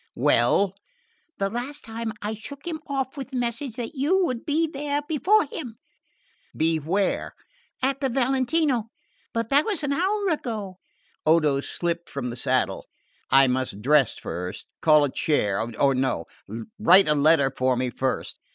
"Well?" "The last time, I shook him off with the message that you would be there before him." "Be where?" "At the Valentino; but that was an hour ago!" Odo slipped from the saddle. "I must dress first. Call a chair; or no write a letter for me first.